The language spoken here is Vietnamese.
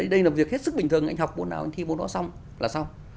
đây là việc hết sức bình thường anh học môn nào anh thi môn đó xong là xong